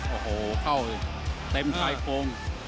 โอ้โหเข้าเต็มชายโครง